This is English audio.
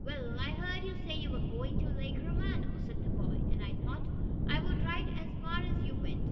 "Well, I heard you say you were going to Lake Romano," said the boy, "and I thought I would ride as far as you went.